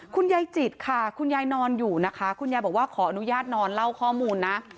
คุณยายจิตค่ะคุณยายนอนอยู่นะคะคุณยายบอกว่าขออนุญาตนอนเล่าข้อมูลนะ